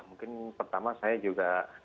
mungkin pertama saya juga